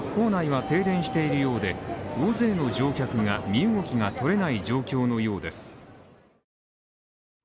構内は停電しているようで、大勢の乗客が身動きが取れない状況のようです。